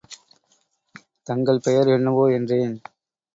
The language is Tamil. தங்கள் பெயர் என்னவோ? என்றேன்.